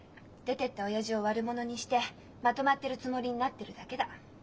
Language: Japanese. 出てった親父を悪者にしてまとまってるつもりになってるだけだ」。